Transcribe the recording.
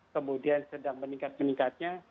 kemudian sedang meningkat meningkatnya